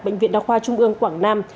bệnh viện đa khoa trung ương quảng nam